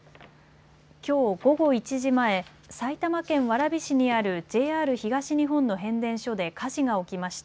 きょう午後１時前、埼玉県蕨市にあるＪＲ東日本の変電所で火事が起きました。